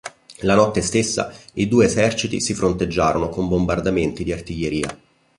La notte stessa i due eserciti si fronteggiarono con bombardamenti di artiglieria.